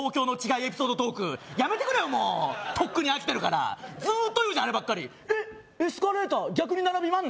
エピソードトークやめてくれよもうとっくに飽きてるからずっと言うじゃんあればっかりえっエスカレーター逆に並びまんの？